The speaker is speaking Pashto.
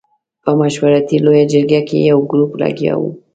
په مشورتي لویه جرګه کې یو ګروپ لګیا وو.